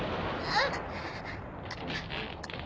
あっ。